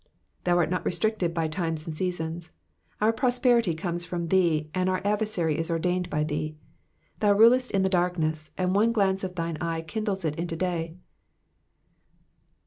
'*'' Thou art not restricted by times and seasons. Our prosperity comes from thee, and our adversity is or dained by thee. Thou rulest in the darkness, and one glance of thine eye kindles it into day.